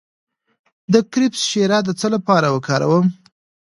د کرفس شیره د څه لپاره وکاروم؟